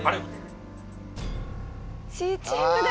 Ｃチームだ。